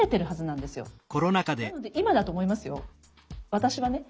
私はね。